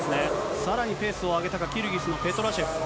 さらにペースを上げたか、キルギスのペトラショフ。